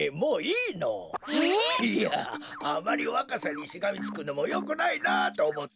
いやあまりわかさにしがみつくのもよくないなっとおもって。